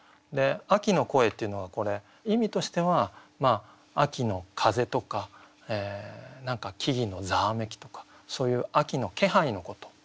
「秋の声」っていうのは意味としては秋の風とか何か木々のざわめきとかそういう秋の気配のこと。